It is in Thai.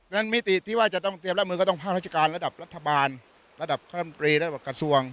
มิติที่ว่าจะต้องเตรียมรับมือก็ต้องภาคราชการระดับรัฐบาลระดับคณะมตรีระดับกระทรวง